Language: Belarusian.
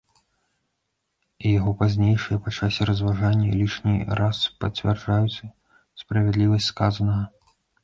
І яго пазнейшыя па часе разважанні лішні раз пацвярджаюць справядлівасць сказанага.